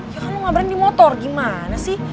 ya kan lo ngabarin di motor gimana sih